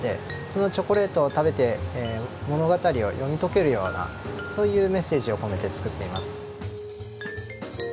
そのチョコレートを食べて物語を読み解けるようなそういうメッセージを込めて作っています。